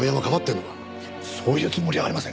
そういうつもりはありません。